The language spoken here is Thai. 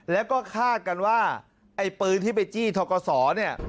แล้วก็คาดกันว่าไอ้ปืนที่ไปจี้ทกศเนี่ย